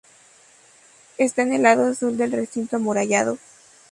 Está en el lado sur del recinto amurallado.